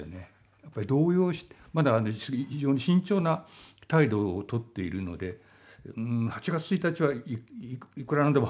やっぱり動揺してまだ非常に慎重な態度をとっているので８月１日はいくらなんでも早すぎる。